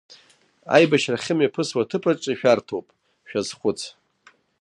Аибашьра ахьымҩаԥысуа аҭыԥаҿ ишәарҭоуп, шәазхәыҵ!